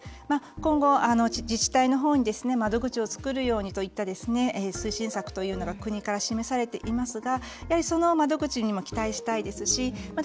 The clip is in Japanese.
今後、自治体のほうに窓口を作るようにといった推進策というのが国から示されていますがその窓口にも期待したいですしまた